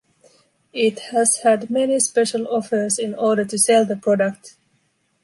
It has had many special offers in order to sell the product.